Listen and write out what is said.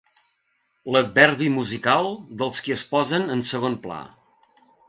L'adverbi musical dels qui es posen en segon pla.